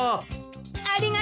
ありがとう！